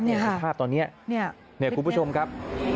สภาพตอนนี้เนี่ยคุณผู้ชมครับ